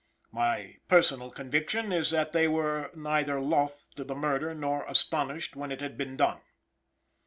My personal conviction is that they were neither loth to the murder nor astonished when it had been done.